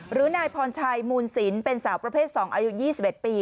หรือนายภอนชัยมูนสินเป็นสาวประเภทสองอายุ๒๗ปี